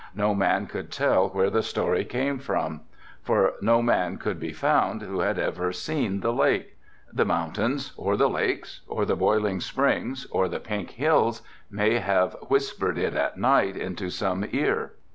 No man could tell where the story came from, for no man could be found who had ever seen the lake. The mountains, or the lakes, or the boiling springs, or the pink hills, may have whispered it at night into some ear.